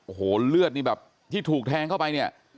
โอ้โหเลือดนี่แบบที่ถูกแทงเข้าไปเนี่ย